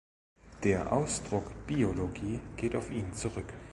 Der Ausdruck Biologie geht auf ihn zurück.